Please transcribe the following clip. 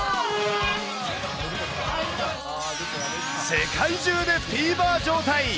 世界中でフィーバー状態。